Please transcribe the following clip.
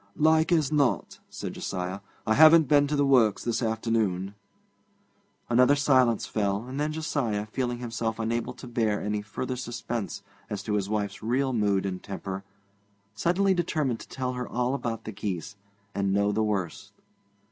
'Like as not,' said Josiah. 'I haven't been to the works this afternoon.' Another silence fell, and then Josiah, feeling himself unable to bear any further suspense as to his wife's real mood and temper, suddenly determined to tell her all about the geese, and know the worst.